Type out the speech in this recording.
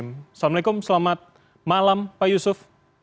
assalamualaikum selamat malam pak yusuf